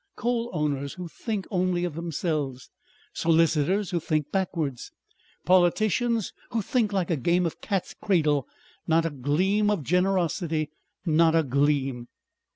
Coal owners who think only of themselves, solicitors who think backwards, politicians who think like a game of cat's cradle, not a gleam of generosity not a gleam."